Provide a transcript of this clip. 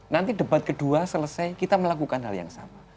nanti debat kedua selesai kita melakukan hal yang sama